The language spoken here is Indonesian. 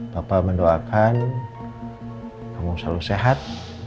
bapak mendoakan kamu selalu sehat